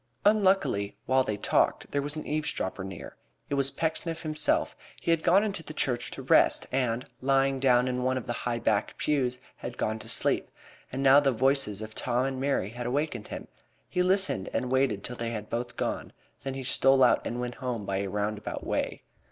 Unluckily while they talked there was an eavesdropper near. It was Pecksniff himself. He had gone into the church to rest, and lying down in one of the high back pews, had gone to sleep, and now the voices of Tom and Mary had awakened him. He listened and waited till they had both gone; then he stole out and went home by a roundabout way.